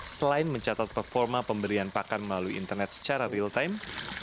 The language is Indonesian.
selain mencatat performa pemberian pakan melalui internet secara real time